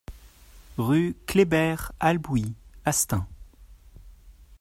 Rue Kléber-Albouy à Stains